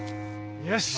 よし。